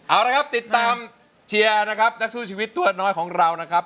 เอาละครับติดตามเชียร์นะครับนักสู้ชีวิตตัวน้อยของเรานะครับ